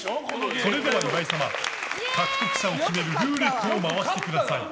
それでは岩井様、獲得者を決めるルーレットを回してください。